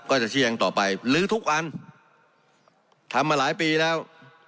ก็จะชี้แจงต่อไปลื้อทุกอันทำมาหลายปีแล้ว